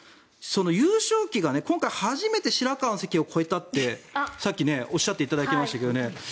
優勝旗が今回初めて白河の関を越えたってさっきおっしゃっていただきましたけど